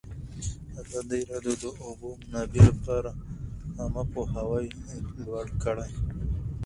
ازادي راډیو د د اوبو منابع لپاره عامه پوهاوي لوړ کړی.